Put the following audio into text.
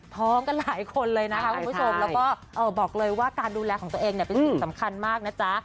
ท้องกันหลายคนเลยนะคะคุณผู้ชมแล้วก็บอกเลยว่าการดูแลของตัวเองเนี่ยเป็นสิ่งสำคัญมากนะจ๊ะ